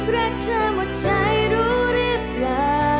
รักเธอหมดใจรู้หรือเปล่า